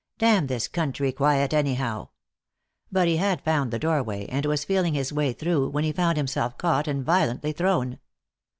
Damn this country quiet, anyhow! But he had found the doorway, and was feeling his way through when he found himself caught and violently thrown.